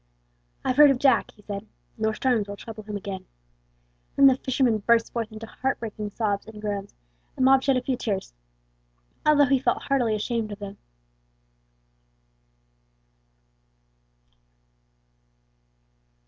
"I've heard of Jack," he said; "no storms will trouble him again;" and then the fisherman burst forth into heart breaking sobs and groans, and Bob shed a few tears, although he felt heartily ashamed of them.